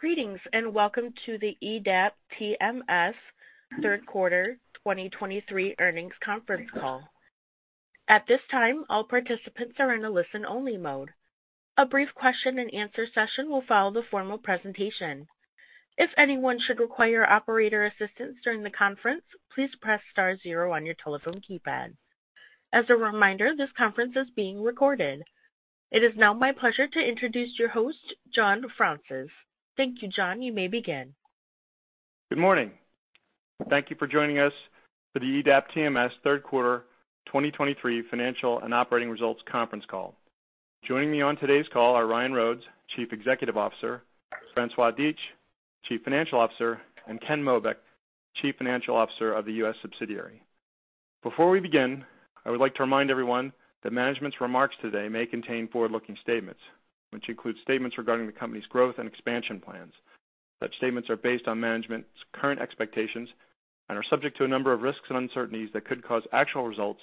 Greetings, and welcome to the EDAP TMS Third Quarter 2023 Earnings Conference Call. At this time, all participants are in a listen-only mode. A brief question and answer session will follow the formal presentation. If anyone should require operator assistance during the conference, please press star zero on your telephone keypad. As a reminder, this conference is being recorded. It is now my pleasure to introduce your host, John Fraunces. Thank you, John. You may begin. Good morning. Thank you for joining us for the EDAP TMS Third Quarter 2023 Financial and Operating Results Conference Call. Joining me on today's call are Ryan Rhodes, Chief Executive Officer; François Dietsch, Chief Financial Officer; and Ken Mobeck, Chief Financial Officer of the U.S. subsidiary. Before we begin, I would like to remind everyone that management's remarks today may contain forward-looking statements, which include statements regarding the company's growth and expansion plans. Such statements are based on management's current expectations and are subject to a number of risks and uncertainties that could cause actual results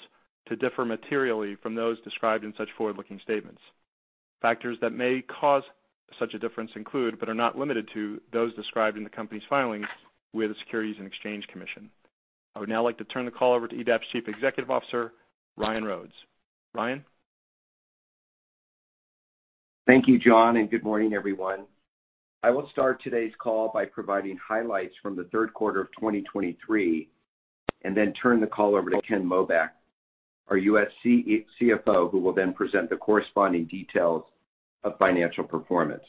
to differ materially from those described in such forward-looking statements. Factors that may cause such a difference include, but are not limited to, those described in the company's filings with the Securities and Exchange Commission. I would now like to turn the call over to EDAP's Chief Executive Officer, Ryan Rhodes. Ryan? Thank you, John, and good morning, everyone. I will start today's call by providing highlights from the third quarter of 2023 and then turn the call over to Ken Mobeck, our CFO, who will then present the corresponding details of financial performance.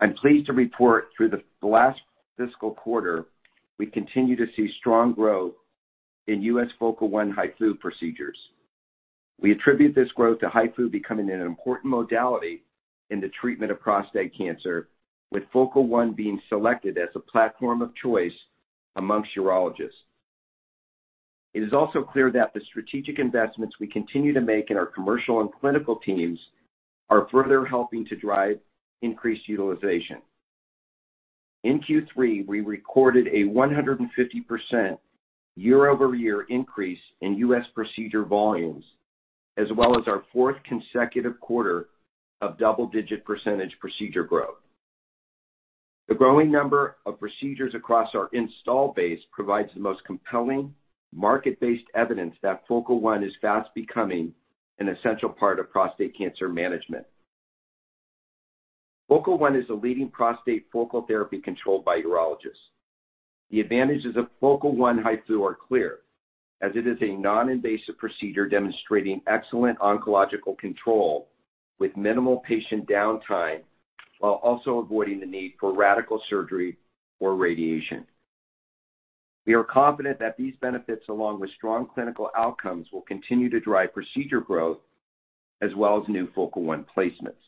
I'm pleased to report throughout the last fiscal quarter, we continue to see strong growth in U.S. Focal One HIFU procedures. We attribute this growth to HIFU becoming an important modality in the treatment of prostate cancer, with Focal One being selected as a platform of choice among urologists. It is also clear that the strategic investments we continue to make in our commercial and clinical teams are further helping to drive increased utilization. In Q3, we recorded a 150% year-over-year increase in U.S. procedure volumes, as well as our fourth consecutive quarter of double-digit percentage procedure growth. The growing number of procedures across our install base provides the most compelling market-based evidence that Focal One is fast becoming an essential part of prostate cancer management. Focal One is a leading prostate focal therapy controlled by urologists. The advantages of Focal One HIFU are clear, as it is a non-invasive procedure demonstrating excellent oncological control with minimal patient downtime, while also avoiding the need for radical surgery or radiation. We are confident that these benefits, along with strong clinical outcomes, will continue to drive procedure growth as well as new Focal One placements.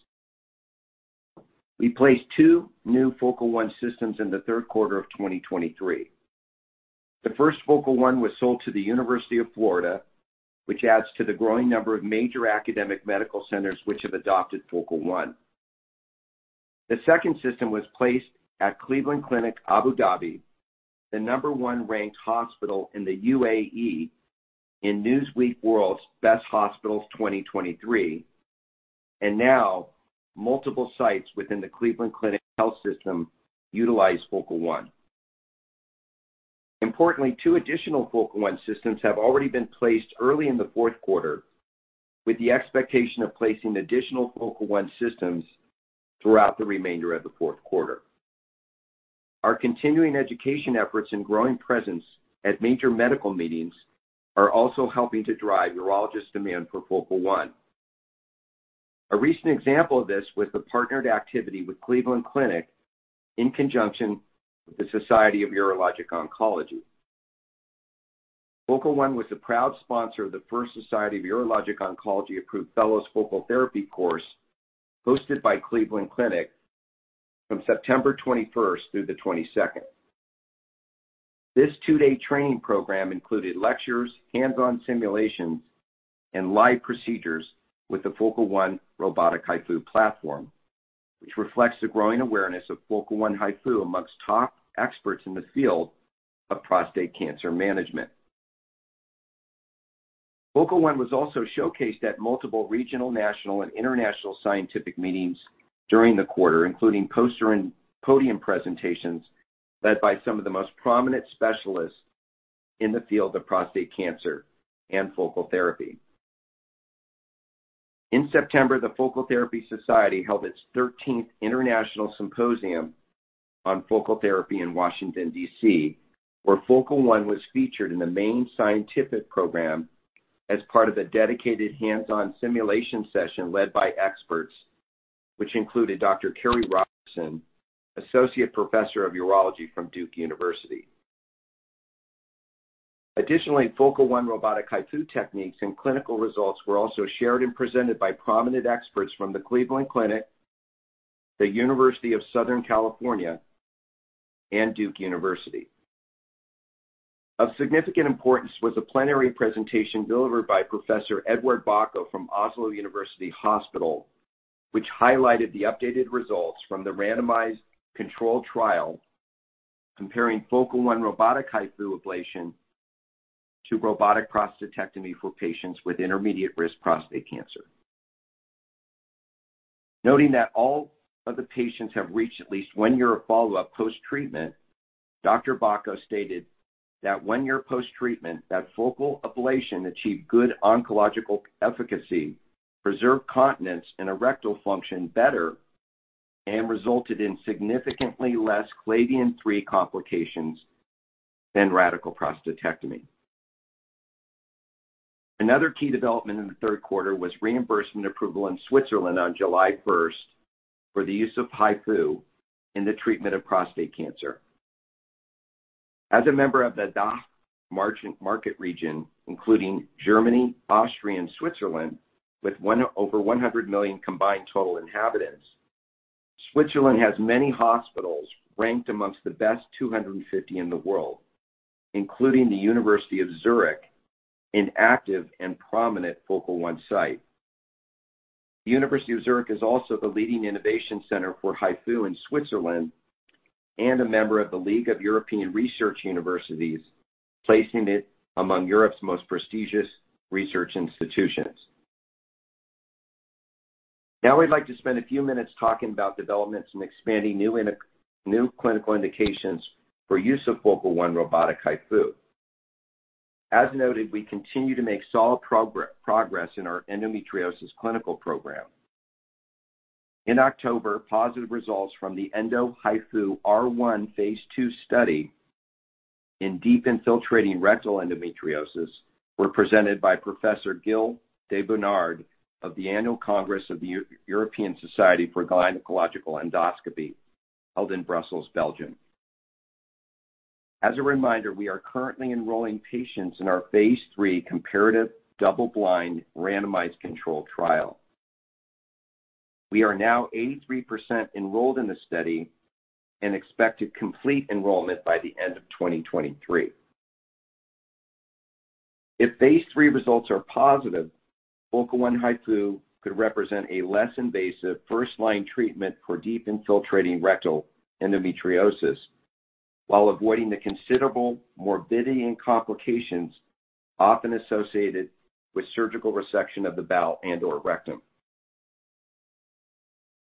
We placed two new Focal One systems in the third quarter of 2023. The first Focal One was sold to the University of Florida, which adds to the growing number of major academic medical centers which have adopted Focal One. The second system was placed at Cleveland Clinic Abu Dhabi, the number one-ranked hospital in the UAE in Newsweek World's Best Hospitals 2023, and now multiple sites within the Cleveland Clinic Health System utilize Focal One. Importantly, two additional Focal One systems have already been placed early in the fourth quarter, with the expectation of placing additional Focal One systems throughout the remainder of the fourth quarter. Our continuing education efforts and growing presence at major medical meetings are also helping to drive urologists' demand for Focal One. A recent example of this was the partnered activity with Cleveland Clinic in conjunction with the Society of Urologic Oncology. Focal One was a proud sponsor of the first Society of Urologic Oncology approved Fellows Focal Therapy course, hosted by Cleveland Clinic from September 21st through the 22nd. This two-day training program included lectures, hands-on simulations, and live procedures with the Focal One robotic HIFU platform, which reflects the growing awareness of Focal One HIFU amongst top experts in the field of prostate cancer management. Focal One was also showcased at multiple regional, national, and international scientific meetings during the quarter, including poster and podium presentations led by some of the most prominent specialists in the field of prostate cancer and focal therapy. In September, the Focal Therapy Society held its 13th International Symposium on Focal Therapy in Washington, D.C., where Focal One was featured in the main scientific program as part of a dedicated hands-on simulation session led by experts, which included Dr. Karina Robinson, Associate Professor of Urology from Duke University. Additionally, Focal One robotic HIFU techniques and clinical results were also shared and presented by prominent experts from the Cleveland Clinic, the University of Southern California, and Duke University. Of significant importance was a plenary presentation delivered by Professor Eduard Baco from Oslo University Hospital, which highlighted the updated results from the randomized controlled trial comparing Focal One robotic HIFU ablation to robotic prostatectomy for patients with intermediate risk prostate cancer. Noting that all of the patients have reached at least one year of follow-up post-treatment, Dr. Baco stated that one year post-treatment, that focal ablation achieved good oncological efficacy, preserved continence and erectile function better, and resulted in significantly less Clavien III complications than radical prostatectomy. Another key development in the third quarter was reimbursement approval in Switzerland on July 1st, for the use of HIFU in the treatment of prostate cancer. As a member of the DACH market region, including Germany, Austria, and Switzerland, with over 100 million combined total inhabitants, Switzerland has many hospitals ranked among the best 250 in the world, including the University of Zurich, an active and prominent Focal One site. The University of Zurich is also the leading innovation center for HIFU in Switzerland and a member of the League of European Research Universities, placing it among Europe's most prestigious research institutions. Now, I'd like to spend a few minutes talking about developments in expanding new clinical indications for use of Focal One robotic HIFU. As noted, we continue to make solid progress in our endometriosis clinical program. In October, positive results from the Endo-HIFU-R1 phase II study in deep infiltrating rectal endometriosis were presented by Professor Gil Dubernard at the Annual Congress of the European Society for Gynecological Endoscopy, held in Brussels, Belgium. As a reminder, we are currently enrolling patients in our phase III comparative, double-blind, randomized controlled trial. We are now 83% enrolled in the study and expect to complete enrollment by the end of 2023. If phase III results are positive, Focal One HIFU could represent a less invasive first-line treatment for deep infiltrating rectal endometriosis, while avoiding the considerable morbidity and complications often associated with surgical resection of the bowel and/or rectum.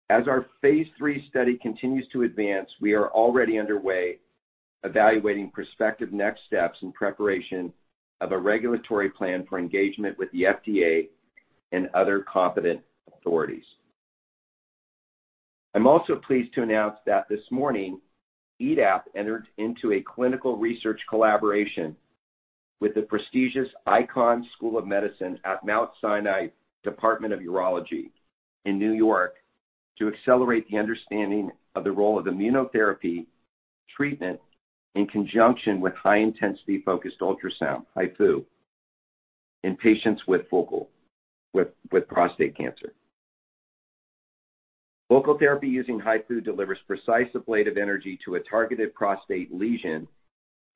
As our phase III study continues to advance, we are already underway evaluating prospective next steps in preparation of a regulatory plan for engagement with the FDA and other competent authorities. I'm also pleased to announce that this morning, EDAP entered into a clinical research collaboration with the prestigious Icahn School of Medicine at Mount Sinai, Department of Urology in New York, to accelerate the understanding of the role of immunotherapy treatment in conjunction with high-intensity focused ultrasound, HIFU, in patients with prostate cancer. Focal therapy using HIFU delivers precise ablative energy to a targeted prostate lesion,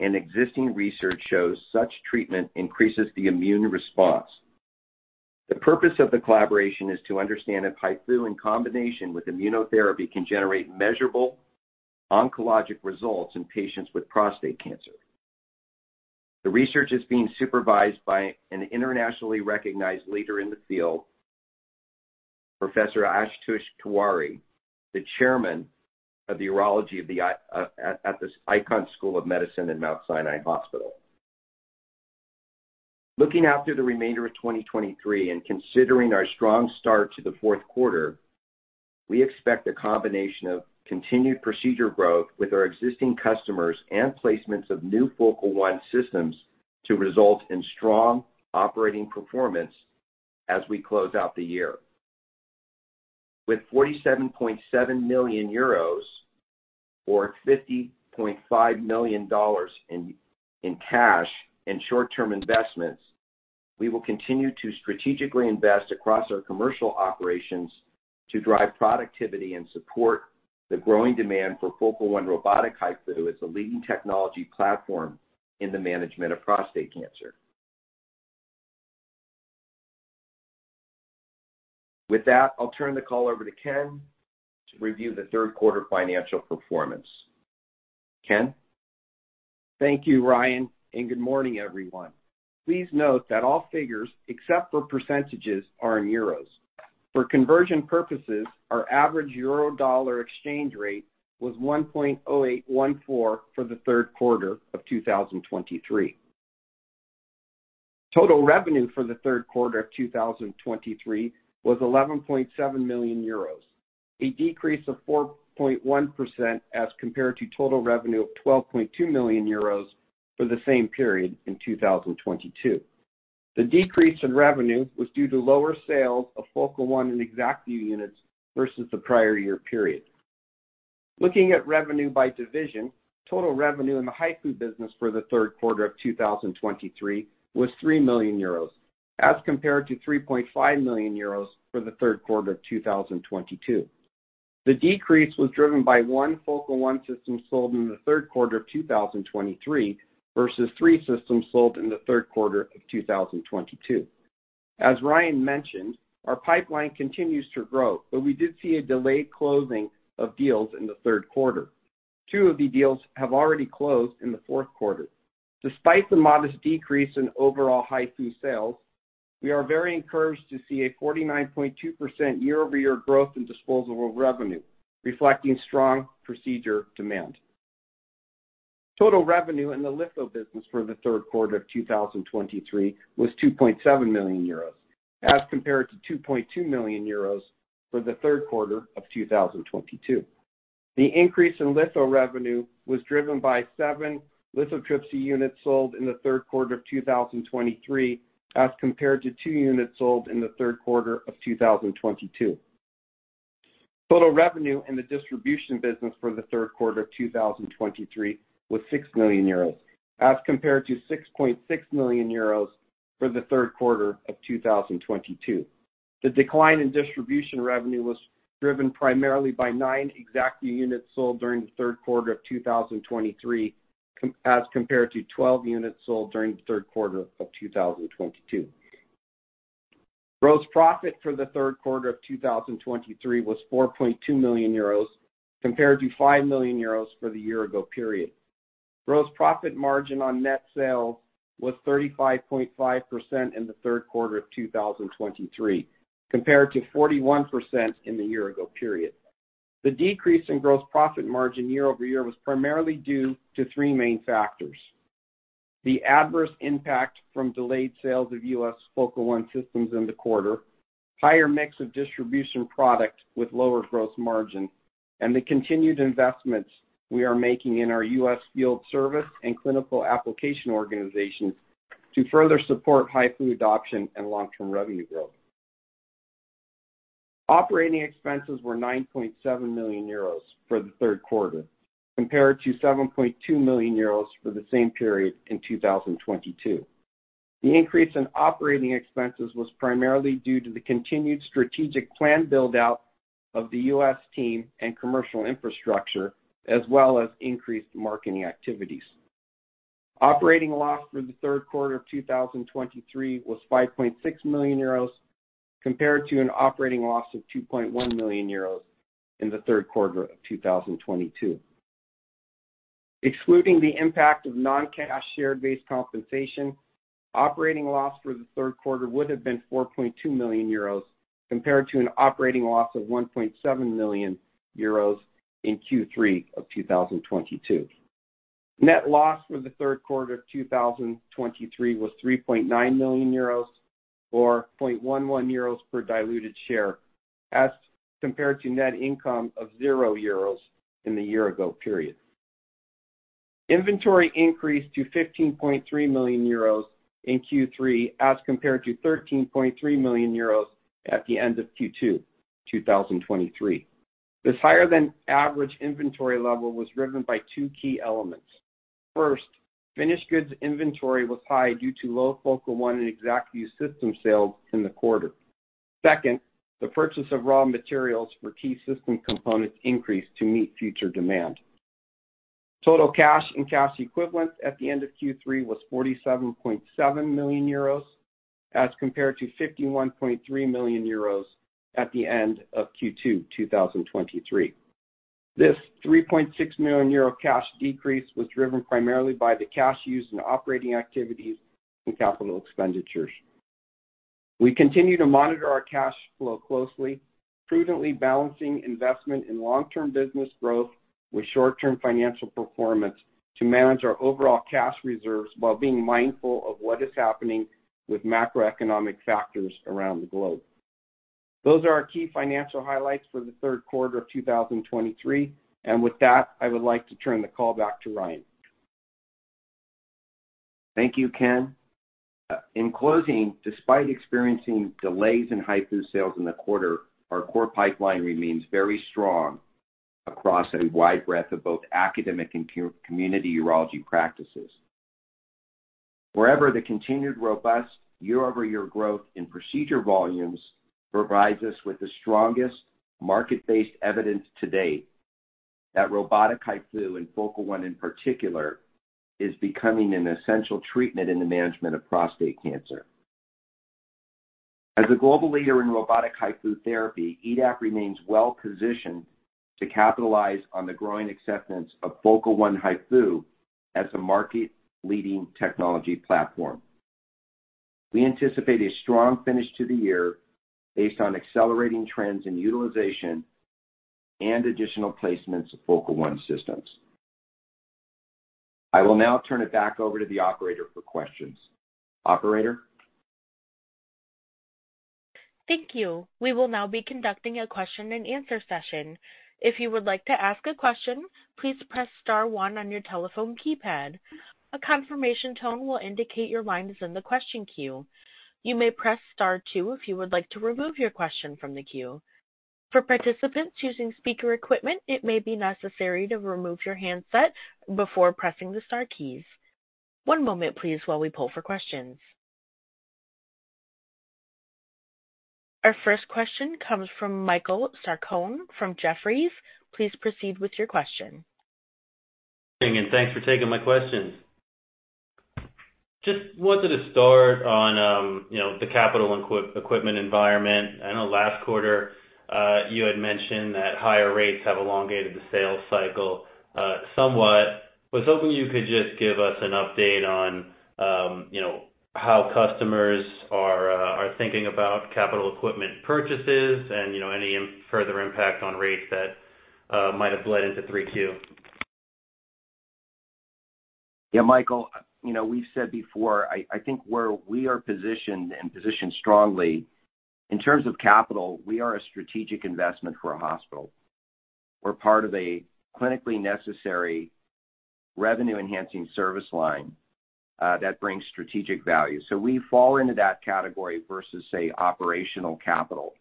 and existing research shows such treatment increases the immune response. The purpose of the collaboration is to understand if HIFU, in combination with immunotherapy, can generate measurable oncologic results in patients with prostate cancer. The research is being supervised by an internationally recognized leader in the field, Professor Ashutosh Tewari, the chairman of the Urology at the Icahn School of Medicine at Mount Sinai Hospital. Looking out through the remainder of 2023 and considering our strong start to the fourth quarter, we expect a combination of continued procedure growth with our existing customers and placements of new Focal One systems to result in strong operating performance as we close out the year. With 47.7 million euros, or $50.5 million in cash and short-term investments, we will continue to strategically invest across our commercial operations to drive productivity and support the growing demand for Focal One robotic HIFU as a leading technology platform in the management of prostate cancer. With that, I'll turn the call over to Ken to review the third quarter financial performance. Ken? Thank you, Ryan, and good morning, everyone. Please note that all figures, except for percentages, are in euros. For conversion purposes, our average euro-dollar exchange rate was 1.0814 for the third quarter of 2023. Total revenue for the third quarter of 2023 was 11.7 million euros, a decrease of 4.1% as compared to total revenue of 12.2 million euros for the same period in 2022. The decrease in revenue was due to lower sales of Focal One and ExactVu units versus the prior year period. Looking at revenue by division, total revenue in the HIFU business for the third quarter of 2023 was 3 million euros, as compared to 3.5 million euros for the third quarter of 2022. The decrease was driven by one Focal One system sold in the third quarter of 2023 versus three systems sold in the third quarter of 2022. As Ryan mentioned, our pipeline continues to grow, but we did see a delayed closing of deals in the third quarter. Two of the deals have already closed in the fourth quarter. Despite the modest decrease in overall HIFU sales, we are very encouraged to see a 49.2% year-over-year growth in disposable revenue, reflecting strong procedure demand. Total revenue in the litho business for the third quarter of 2023 was 2.7 million euros, as compared to 2.2 million euros for the third quarter of 2022. The increase in litho revenue was driven by seven lithotripsy units sold in the third quarter of 2023, as compared to two units sold in the third quarter of 2022. Total revenue in the distribution business for the third quarter of 2023 was 6 million euros, as compared to 6.6 million euros for the third quarter of 2022. The decline in distribution revenue was driven primarily by nine ExactVu units sold during the third quarter of 2023, as compared to 12 units sold during the third quarter of 2022. Gross profit for the third quarter of 2023 was 4.2 million euros, compared to 5 million euros for the year ago period. Gross profit margin on net sales was 35.5% in the third quarter of 2023, compared to 41% in the year-ago period. The decrease in gross profit margin year-over-year was primarily due to three main factors: The adverse impact from delayed sales of U.S. Focal One systems in the quarter, higher mix of distribution product with lower gross margin, and the continued investments we are making in our U.S. field service and clinical application organizations to further support HIFU adoption and long-term revenue growth. Operating expenses were 9.7 million euros for the third quarter, compared to 7.2 million euros for the same period in 2022. The increase in operating expenses was primarily due to the continued strategic plan build-out of the U.S. team and commercial infrastructure, as well as increased marketing activities. Operating loss for the third quarter of 2023 was 5.6 million euros, compared to an operating loss of 2.1 million euros in the third quarter of 2022. Excluding the impact of non-cash share-based compensation, operating loss for the third quarter would have been 4.2 million euros, compared to an operating loss of 1.7 million euros in Q3 of 2022. Net loss for the third quarter of 2023 was 3.9 million euros, or 0.11 euros per diluted share, as compared to net income of 0 euros in the year ago period. Inventory increased to 15.3 million euros in Q3, as compared to 13.3 million euros at the end of Q2, 2023. This higher than average inventory level was driven by two key elements. First, finished goods inventory was high due to low Focal One and ExactVu system sales in the quarter. Second, the purchase of raw materials for key system components increased to meet future demand. Total cash and cash equivalents at the end of Q3 was 47.7 million euros, as compared to 51.3 million euros at the end of Q2 2023. This 3.6 million euro cash decrease was driven primarily by the cash used in operating activities and capital expenditures. We continue to monitor our cash flow closely, prudently balancing investment in long-term business growth with short-term financial performance to manage our overall cash reserves, while being mindful of what is happening with macroeconomic factors around the globe. Those are our key financial highlights for the third quarter of 2023. With that, I would like to turn the call back to Ryan. Thank you, Ken. In closing, despite experiencing delays in HIFU sales in the quarter, our core pipeline remains very strong across a wide breadth of both academic and community urology practices. Wherever the continued robust year-over-year growth in procedure volumes provides us with the strongest market-based evidence to date, that robotic HIFU, and Focal One in particular, is becoming an essential treatment in the management of prostate cancer. As a global leader in robotic HIFU therapy, EDAP remains well positioned to capitalize on the growing acceptance of Focal One HIFU as a market-leading technology platform. We anticipate a strong finish to the year based on accelerating trends in utilization and additional placements of Focal One systems. I will now turn it back over to the operator for questions. Operator? Thank you. We will now be conducting a question and answer session. If you would like to ask a question, please press star one on your telephone keypad. A confirmation tone will indicate your line is in the question queue. You may press star two if you would like to remove your question from the queue. For participants using speaker equipment, it may be necessary to remove your handset before pressing the star keys. One moment please, while we poll for questions. Our first question comes from Michael Sarcone from Jefferies. Please proceed with your question. Thanks for taking my questions. Just wanted to start on, you know, the capital equipment environment. I know last quarter, you had mentioned that higher rates have elongated the sales cycle, somewhat. I was hoping you could just give us an update on, you know, how customers are thinking about capital equipment purchases and, you know, any further impact on rates that might have bled into 3Q. Yeah, Michael, you know, we've said before, I, I think where we are positioned and positioned strongly in terms of capital, we are a strategic investment for a hospital. We're part of a clinically necessary revenue-enhancing service line, that brings strategic value. So we fall into that category versus, say, operational capital.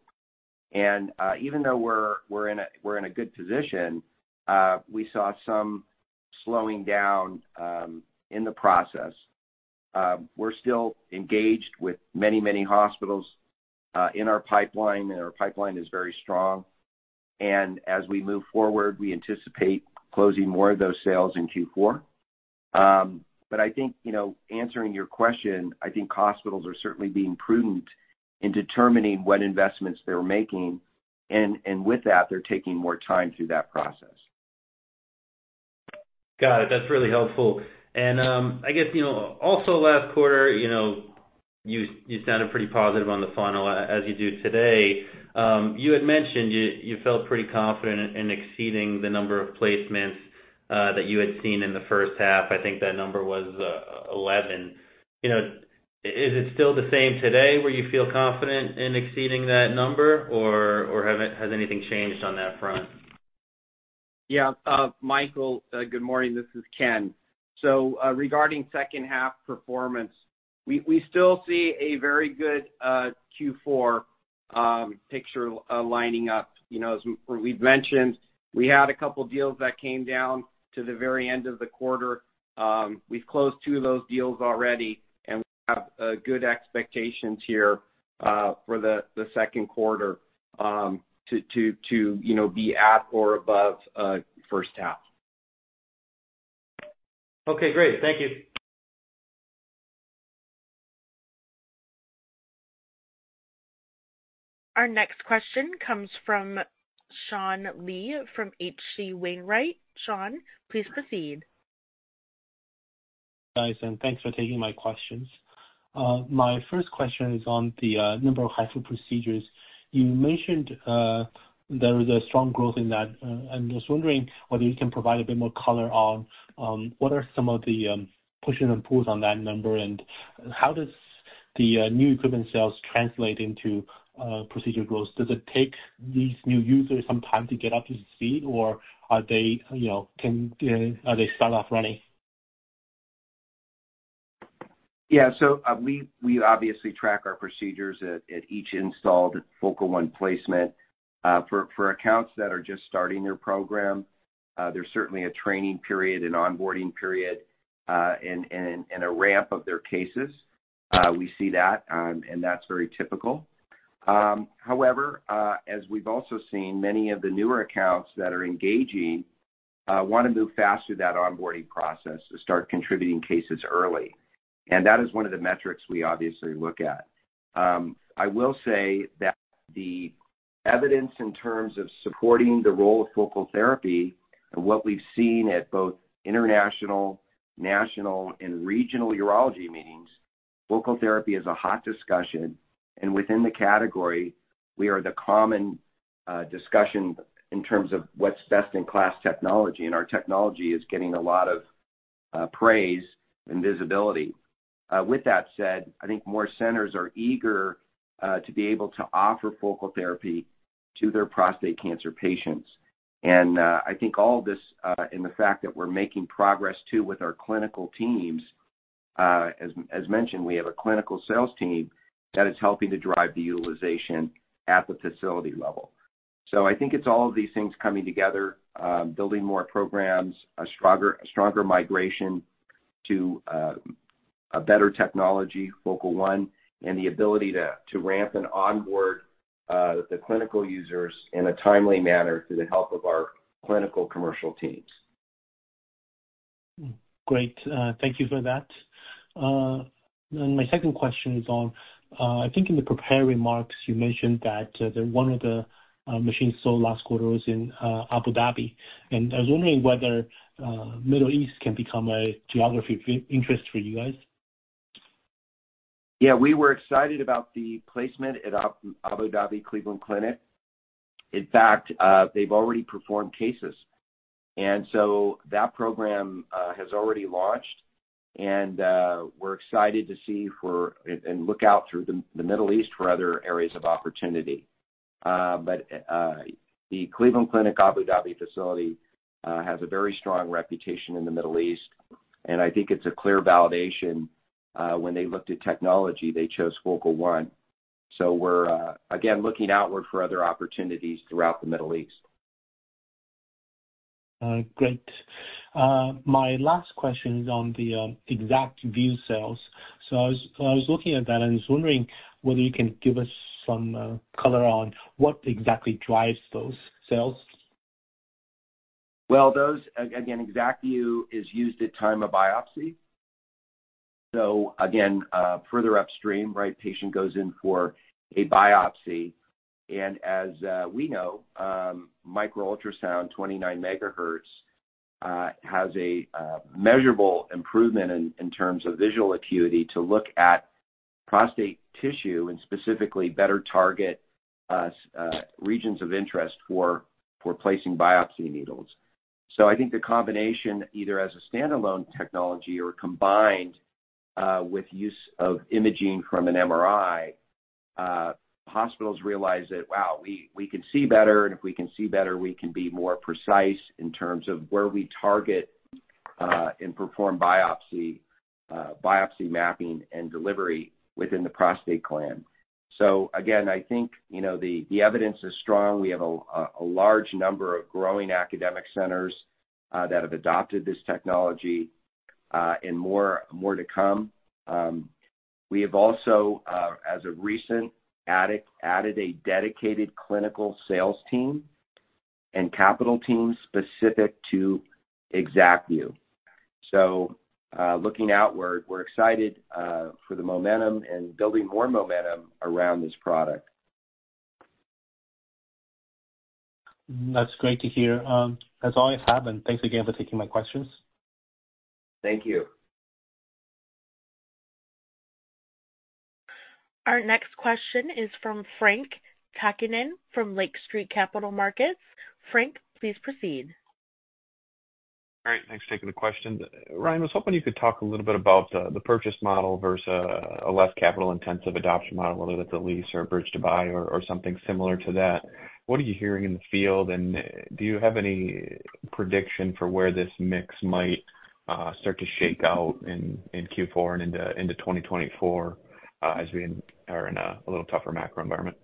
And even though we're in a good position, we saw some slowing down in the process. We're still engaged with many, many hospitals in our pipeline, and our pipeline is very strong. And as we move forward, we anticipate closing more of those sales in Q4. But I think, you know, answering your question, I think hospitals are certainly being prudent in determining what investments they're making, and with that, they're taking more time through that process. Got it. That's really helpful. And, I guess, you know, also last quarter, you know, you sounded pretty positive on the funnel, as you do today. You had mentioned you felt pretty confident in exceeding the number of placements that you had seen in the first half. I think that number was 11. You know, is it still the same today, where you feel confident in exceeding that number, or has anything changed on that front? Yeah. Michael, good morning. This is Ken. So, regarding second half performance, we still see a very good Q4 picture lining up. You know, as we've mentioned, we had a couple deals that came down to the very end of the quarter. We've closed two of those deals already, and we have good expectations here for the second quarter to you know be at or above first half. Okay, great. Thank you. Our next question comes from Sean Lee from H.C. Wainwright. Sean, please proceed. Guys, and thanks for taking my questions. My first question is on the number of HIFU procedures. You mentioned there was a strong growth in that, and I was wondering whether you can provide a bit more color on what are some of the pushes and pulls on that number, and how does the new equipment sales translate into procedure growth? Does it take these new users some time to get up to speed, or are they, you know, can, are they start off running? Yeah. So, we obviously track our procedures at each installed Focal One placement. For accounts that are just starting their program, there's certainly a training period, an onboarding period, and a ramp of their cases. We see that, and that's very typical. However, as we've also seen, many of the newer accounts that are engaging want to move fast through that onboarding process to start contributing cases early. And that is one of the metrics we obviously look at. I will say that the evidence in terms of supporting the role of focal therapy and what we've seen at both international, national, and regional urology meetings, focal therapy is a hot discussion, and within the category, we are the common discussion in terms of what's best-in-class technology, and our technology is getting a lot of praise and visibility. With that said, I think more centers are eager to be able to offer focal therapy to their prostate cancer patients. I think all this and the fact that we're making progress too, with our clinical teams, as mentioned, we have a clinical sales team that is helping to drive the utilization at the facility level. So I think it's all of these things coming together, building more programs, a stronger migration to a better technology, Focal One, and the ability to ramp and onboard the clinical users in a timely manner through the help of our clinical commercial teams. Great. Thank you for that. And my second question is on, I think in the prepared remarks, you mentioned that one of the machines sold last quarter was in Abu Dhabi. And I was wondering whether Middle East can become a geography of interest for you guys? Yeah, we were excited about the placement at Abu Dhabi Cleveland Clinic. In fact, they've already performed cases, and so that program has already launched, and we're excited to see and look out through the Middle East for other areas of opportunity. But the Cleveland Clinic Abu Dhabi facility has a very strong reputation in the Middle East, and I think it's a clear validation when they looked at technology, they chose Focal One. So we're again looking outward for other opportunities throughout the Middle East. Great. My last question is on the ExactVu sales. So I was looking at that, and I was wondering whether you can give us some color on what exactly drives those sales? Well, those, again, ExactVu is used at time of biopsy. So again, further upstream, right? Patient goes in for a biopsy, and as we know, micro ultrasound, 29 MHz, has a measurable improvement in terms of visual acuity to look at prostate tissue and specifically better target regions of interest for placing biopsy needles. So I think the combination, either as a standalone technology or combined with use of imaging from an MRI, hospitals realize that, wow, we can see better, and if we can see better, we can be more precise in terms of where we target and perform biopsy, biopsy mapping, and delivery within the prostate gland. So again, I think, you know, the evidence is strong. We have a large number of growing academic centers that have adopted this technology, and more to come. We have also, as of recent, added a dedicated clinical sales team and capital team specific to ExactVu. So, looking out, we're excited for the momentum and building more momentum around this product. That's great to hear. As always, happen. Thanks again for taking my questions. Thank you. Our next question is from Frank Takkinen from Lake Street Capital Markets. Frank, please proceed. All right, thanks for taking the question. Ryan, I was hoping you could talk a little bit about the purchase model versus a less capital-intensive adoption model, whether that's a lease or a bridge to buy or something similar to that. What are you hearing in the field, and do you have any prediction for where this mix might start to shake out in Q4 and into 2024 as we are in a little tougher macro environment?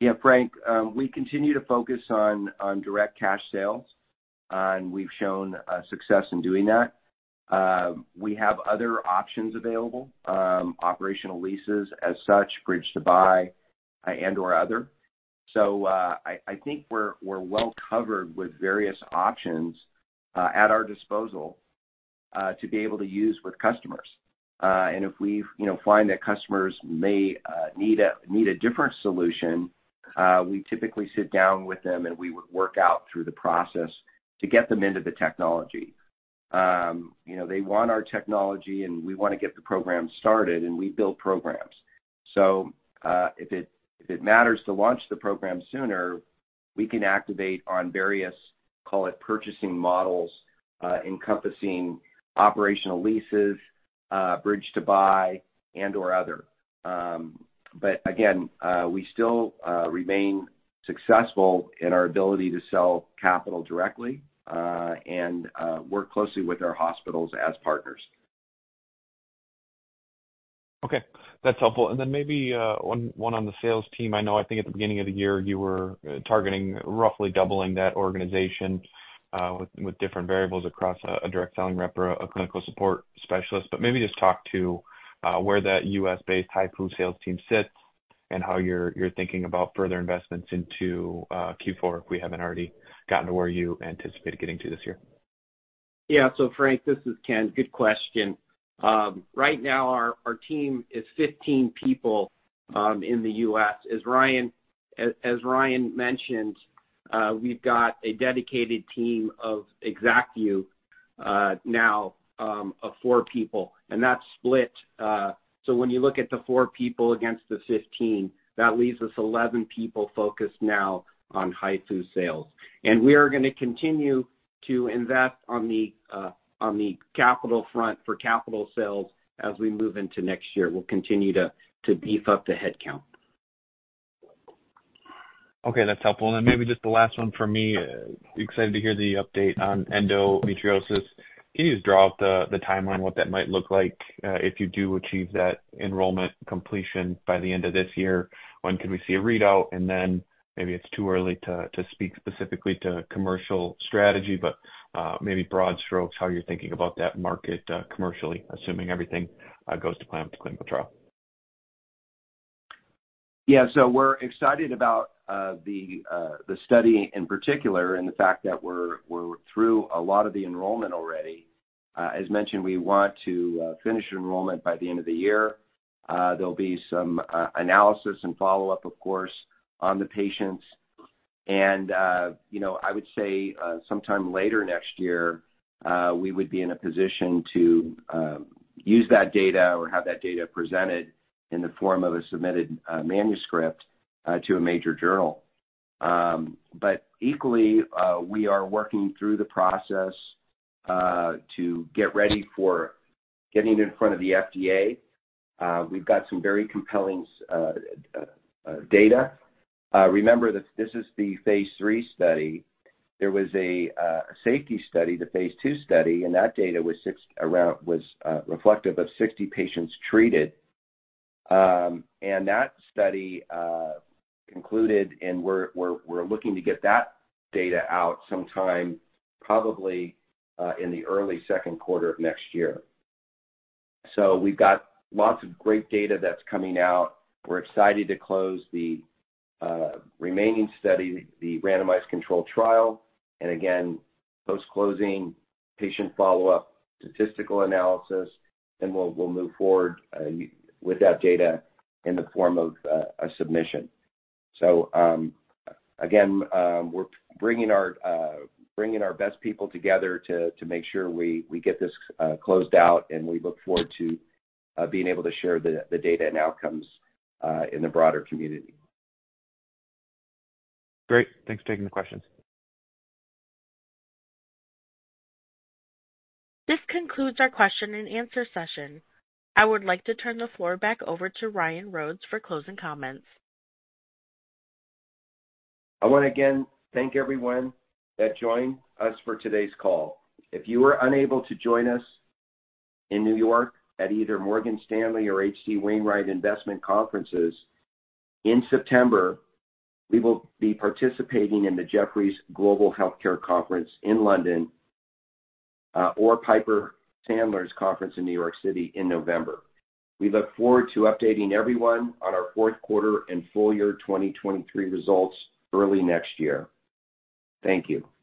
Yeah, Frank, we continue to focus on, on direct cash sales, and we've shown success in doing that. We have other options available, operational leases as such, bridge to buy, and/or other. So, I, I think we're, we're well covered with various options at our disposal to be able to use with customers. And if we, you know, find that customers may need a, need a different solution, we typically sit down with them, and we would work out through the process to get them into the technology. You know, they want our technology, and we want to get the program started, and we build programs. So, if it, if it matters to launch the program sooner, we can activate on various, call it purchasing models, encompassing operational leases, bridge to buy, and/or other. But again, we still remain successful in our ability to sell capital directly, and work closely with our hospitals as partners. Okay, that's helpful. And then maybe one on the sales team. I know I think at the beginning of the year, you were targeting roughly doubling that organization, with different variables across a direct selling rep or a clinical support specialist. But maybe just talk to where that U.S. based HIFU sales team sits and how you're thinking about further investments into Q4, if we haven't already gotten to where you anticipated getting to this year. Yeah. So Frank, this is Ken. Good question. Right now our, our team is 15 people in the U.S. As Ryan, as, as Ryan mentioned, we've got a dedicated team of ExactVu, now, of four people, and that's split. So when you look at the four people against the 15, that leaves us 11 people focused now on HIFU sales. And we are going to continue to invest on the capital front for capital sales as we move into next year. We'll continue to beef up the headcount. Okay, that's helpful. And then maybe just the last one for me. Excited to hear the update on endometriosis. Can you just draw out the timeline, what that might look like, if you do achieve that enrollment completion by the end of this year? When can we see a readout? And then maybe it's too early to speak specifically to commercial strategy, but maybe broad strokes, how you're thinking about that market commercially, assuming everything goes to plan with the clinical trial. Yeah. So we're excited about the study in particular and the fact that we're through a lot of the enrollment already. As mentioned, we want to finish enrollment by the end of the year. There'll be some analysis and follow-up, of course, on the patients. And, you know, I would say sometime later next year, we would be in a position to use that data or have that data presented in the form of a submitted manuscript to a major journal. But equally, we are working through the process to get ready for getting it in front of the FDA. We've got some very compelling data. Remember that this is the phase III study. There was a safety study, the phase II study, and that data was reflective of 60 patients treated. That study concluded, and we're looking to get that data out sometime, probably, in the early second quarter of next year. So we've got lots of great data that's coming out. We're excited to close the remaining study, the randomized controlled trial, and again, post-closing patient follow-up, statistical analysis, and we'll move forward with that data in the form of a submission. So, again, we're bringing our best people together to make sure we get this closed out, and we look forward to being able to share the data and outcomes in the broader community. Great. Thanks for taking the questions. This concludes our question and answer session. I would like to turn the floor back over to Ryan Rhodes for closing comments. I want to again thank everyone that joined us for today's call. If you were unable to join us in New York at either Morgan Stanley or H.C. Wainwright investment conferences in September, we will be participating in the Jefferies Global Healthcare Conference in London, or Piper Sandler's conference in New York City in November. We look forward to updating everyone on our fourth quarter and full year 2023 results early next year. Thank you.